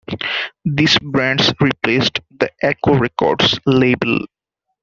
These brands replaced the Aco Records label.